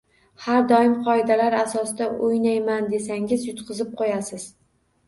Har doim qoidalar asosida o’ynayman desangiz, yutqizib qo’yasiz